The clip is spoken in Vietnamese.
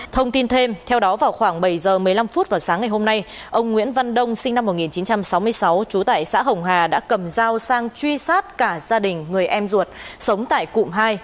thông tin thêm theo đó vào khoảng bảy h một mươi năm vào sáng ngày hôm nay ông nguyễn văn đông sinh năm một nghìn chín trăm sáu mươi sáu trú tại xã hồng hà đã cầm dao sang truy sát cả gia đình người em ruột sống tại cụm hai